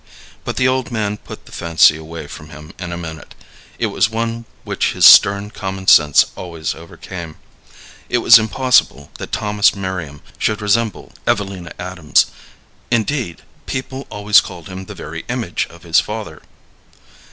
But the old man put the fancy away from him in a minute; it was one which his stern common sense always overcame. It was impossible that Thomas Merriam should resemble Evelina Adams; indeed, people always called him the very image of his father.